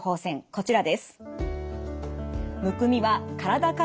こちらです。